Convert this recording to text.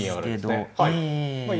はい。